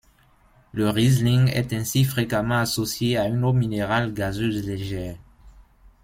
Le Riesling est ainsi fréquemment associé à une eau minérale gazeuse légère.